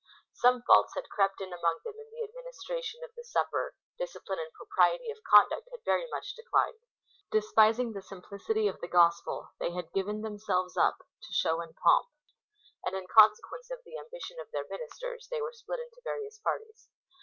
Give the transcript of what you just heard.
Some faults had crept in among them in the administration of the Supper, discipline and propriety of conduct had very much declined : despising the simplicity of the gospel, they had given themselves up to show and pomp; and in consequence of the ambition of their ministers, they were split into various parties.